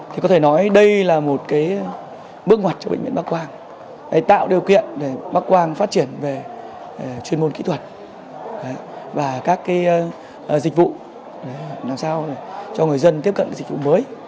thì có thể nói đây là một bước ngoặt cho bệnh viện bắc quang để tạo điều kiện để bắc quang phát triển về chuyên môn kỹ thuật và các dịch vụ làm sao cho người dân tiếp cận dịch vụ mới